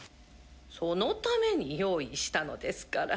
そのために用意したのですから。